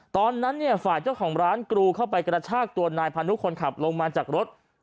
ตอนนั้นเนี่ยฝ่ายเจ้าของร้านกรูเข้าไปกระชากตัวนายพานุคนขับลงมาจากรถ